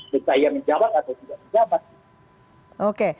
serta yang menjabat atau tidak menjabat